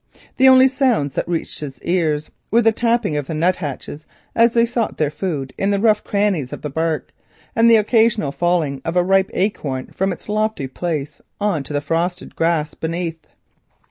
The only sounds that reached his ears were the tappings of the nut hatches as they sought their food in the rough crannies of the bark, and the occasional falling of a rich ripe acorn from its lofty place on to the frosted grass beneath.